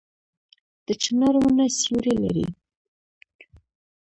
د چنار ونه سیوری لري